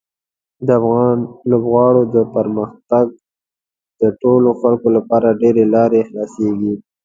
د افغان لوبغاړو د پرمختګ د ټولو خلکو لپاره ډېرې لارې خلاصیږي.